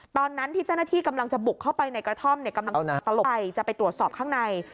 ตอนนั้นที่เจ้าหน้าที่กำลังจะบุกเข้าไปในกระท่อมกำลังตลบไปจะไปตรวจสอบข้างใน